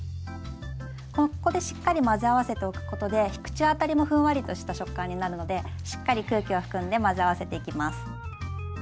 ここでしっかり混ぜ合わせておくことで口当たりもふんわりとした食感になるのでしっかり空気を含んで混ぜ合わせていきます。